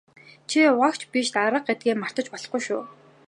Чи угаагч биш дарга гэдгээ мартаж болохгүй шүү.